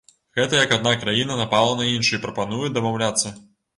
Гэта як адна краіна напала на іншую і прапануе дамаўляцца.